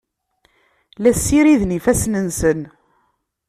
La ssiriden ifassen-nsen.